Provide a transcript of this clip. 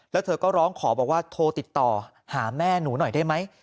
แล้วเธอก็ร้องขอบอกว่าโทรติดต่อหาแม่หนูหน่อยได้ไหม